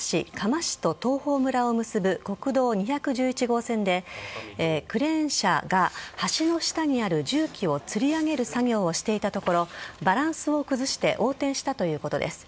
嘉麻市の国道２１１号線でクレーン車が橋の下にある重機をつり上げる作業をしていたところバランスを崩して横転したということです。